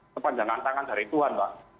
sepanjang antangan dari tuhan mbak